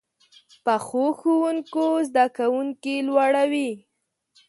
پخو ښوونکو زده کوونکي لوړوي